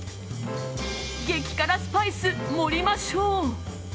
「激辛スパイス盛りましょう」。